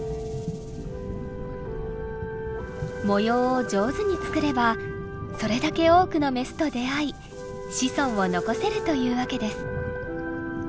模様を上手に作ればそれだけ多くのメスと出会い子孫を残せるというわけです。